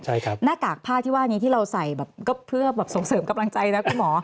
หน้ากากผ้าที่เราใส่ก็เพื่อส่งเสริมกำลังใจนะคุณหมอ